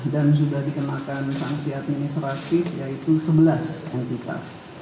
dan sudah dikenakan sanksi administratif yaitu sebelas entitas